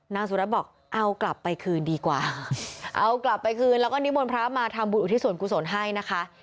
นางสุรัตน์บอกเอากลับไปคืนดีกว่าเอากลับไปคืนแล้วก็นิมนต์พระมาทำบุญอุทิศส่วนกุศลให้นะคะ